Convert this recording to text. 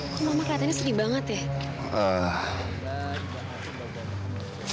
kok mama katanya sedih banget ya